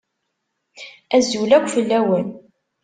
Azul akk fell-awen.